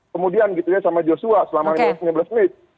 kemudian gitu ya sama joshua selama ini lima belas menit